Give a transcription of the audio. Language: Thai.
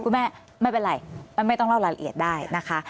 ไม่เป็นไรไม่ต้องเล่ารายละเอียดได้นะคะ